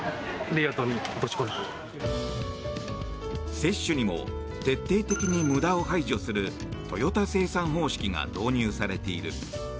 接種にも徹底的に無駄を排除するトヨタ生産方式が導入されている。